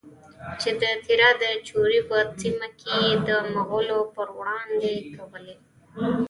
چې د تیرا د چورې په سیمه کې یې د مغولو پروړاندې کولې؛